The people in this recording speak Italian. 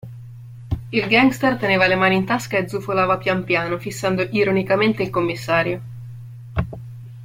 Il gangster teneva le mani in tasca e zufolava pian piano, fissando ironicamente il commissario.